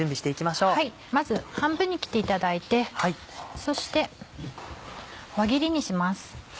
まず半分に切っていただいてそして輪切りにします。